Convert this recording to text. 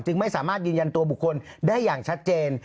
ไม่สามารถยืนยันตัวบุคคลได้อย่างชัดเจน